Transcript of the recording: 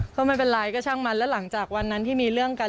ก็ไม่เป็นไรก็ช่างมันแล้วหลังจากวันนั้นที่มีเรื่องกัน